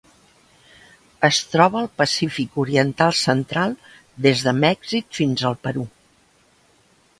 Es troba al Pacífic oriental central: des de Mèxic fins al Perú.